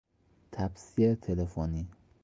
تپسی تلفنی